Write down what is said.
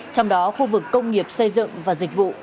trong đó khu vực công nghiệp xây dựng và dịch vụ